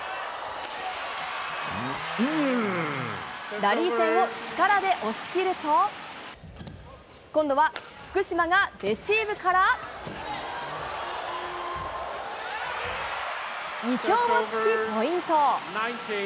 ラリー戦を力で押しきると、今度は福島がレシーブから、意表をつき、ポイント。